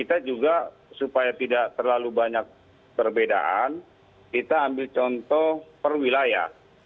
dan juga supaya tidak terlalu banyak perbedaan kita ambil contoh perwilaya